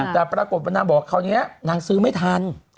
แต่ปรากฏว่านางบอกคราวนี้นางซื้อไม่ทัน